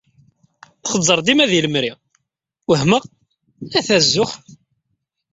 Txeẓẓer dima deg lemri. Wehmeɣ ata zzux.